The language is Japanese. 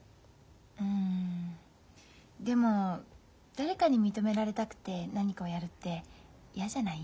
うんでも誰かに認められたくて何かをやるって嫌じゃない？